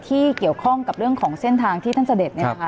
ที่เกี่ยวข้องกับเรื่องของเส้นทางที่ท่านเสด็จเนี่ยนะคะ